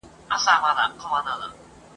زموږ په ناړو د کلو رنځور جوړیږي ..